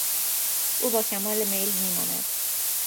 او با کمال میل میماند.